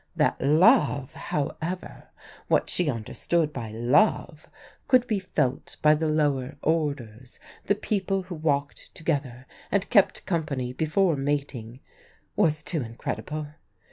That love, however what she understood by love could be felt by the lower orders, the people who "walked together" and "kept company" before mating, was too incredible.